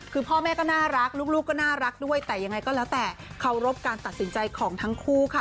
คือพ่อแม่ก็น่ารักลูกก็น่ารักด้วยแต่ยังไงก็แล้วแต่เคารพการตัดสินใจของทั้งคู่ค่ะ